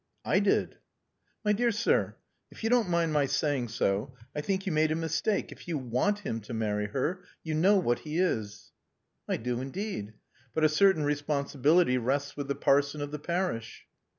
"I did." "My dear sir, if you don't mind my saying so, I think you made a mistake if you want him to marry her. You know what he is." "I do indeed. But a certain responsibility rests with the parson of the parish."